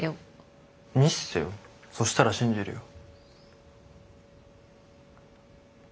そしたら信じるよ。